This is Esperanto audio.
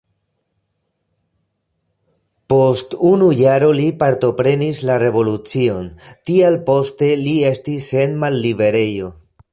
Post unu jaro li partoprenis la revolucion, tial poste li estis en malliberejo.